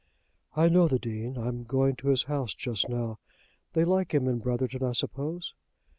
"I know the Dean. I'm going to his house just now. They like him in Brotherton, I suppose?"